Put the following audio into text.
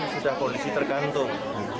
sudah polisi tergantung